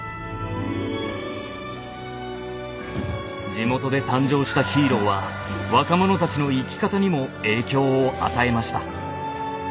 地元で誕生したヒーローは若者たちの生き方にも影響を与えました。